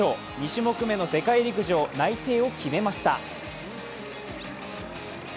２種目目の世界陸上内定を決めました。